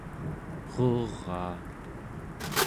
eruraa